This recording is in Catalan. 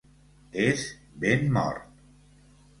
És ben mort